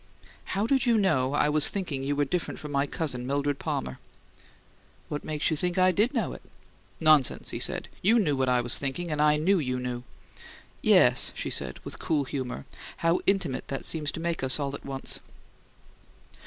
"How did you know I was thinking you were different from my cousin, Mildred Palmer?" "What makes you think I DID know it?" "Nonsense!" he said. "You knew what I was thinking and I knew you knew." "Yes," she said with cool humour. "How intimate that seems to make us all at once!"